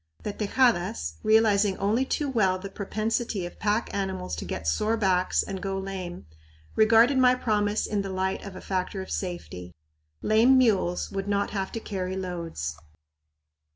The Tejadas, realizing only too well the propensity of pack animals to get sore backs and go lame, regarded my promise in the light of a factor of safety. Lame mules would not have to carry loads.